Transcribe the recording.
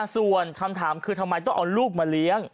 ส่วนคำถามคือทำไมต้องเอาลูกมาเลี้ยง